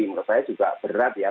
menurut saya juga berat ya